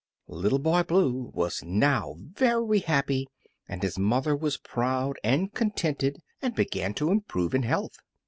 Little Boy Blue was now very happy, and his mother was proud and contented and began to improve in health.